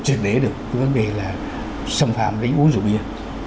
trực để được cái vấn đề là xâm phạm đến uống rượu bia